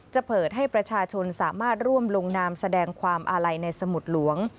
จะเปิดให้ประชาชนสามารถร่วมลงนามแสดงความอาลัยในสมุดหลวง